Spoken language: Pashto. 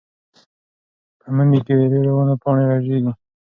په مني کې د ډېرو ونو پاڼې رژېږي.